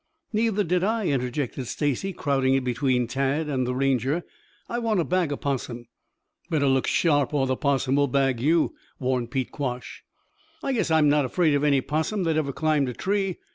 "Neither did I," interjected Stacy crowding in between Tad and the Ranger. "I want to bag a 'possum." "Better look sharp or the 'possum will bag you," warned Pete Quash. "I guess I'm not afraid of any 'possum that ever climbed a tree.